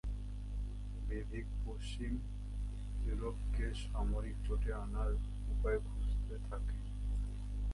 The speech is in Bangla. বেভিন পশ্চিম ইউরোপকে সামরিক জোটে আনার উপায় খুঁজতে থাকেন।